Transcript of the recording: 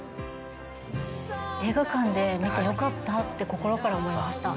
映画館で見てよかったって、心から思いました。